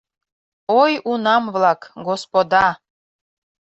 «Ой, унам-влак, господа